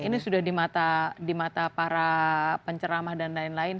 ini sudah di mata para penceramah dan lain lain